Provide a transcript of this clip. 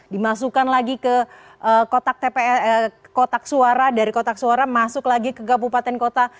dimasukkan lagi ke kotak suara dari kotak suara masuk lagi ke kabupaten kota